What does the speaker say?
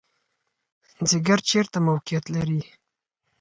ځیګر چیرته موقعیت لري؟